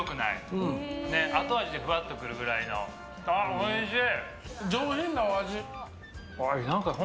おいしい！